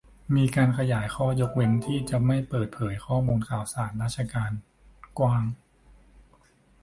มีการขยายข้อยกเว้นที่จะไม่เปิดเผยข้อมูลข่าวสารราชการกว้าง